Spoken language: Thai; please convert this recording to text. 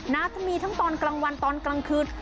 จะมีทั้งตอนกลางวันตอนกลางคืน